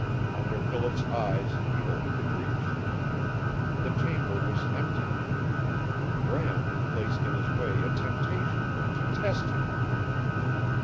Under Philip's eyes he opened the breech. The chamber was empty. Bram had placed in his way a temptation to test him!